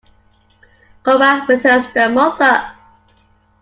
Cobra returns their mother.